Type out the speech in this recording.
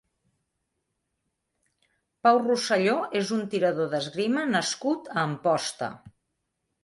Pau Roselló és un tirador d'esgrima nascut a Amposta.